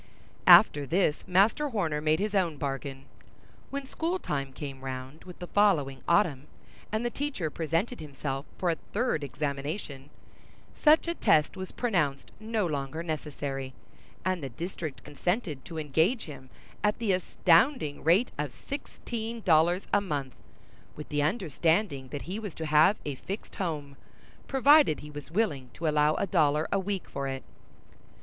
After this, Master Horner made his own bargain. When schooltime came round with the following autumn, and the teacher presented himself for a third examination, such a test was pronounced no longer necessary; and the district consented to engage him at the astounding rate of sixteen dollars a month, with the understanding that he was to have a fixed home, provided he was willing to allow a dollar a week for it.